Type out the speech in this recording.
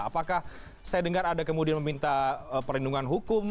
apakah saya dengar ada kemudian meminta perlindungan hukum